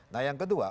nah yang kedua